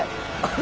何？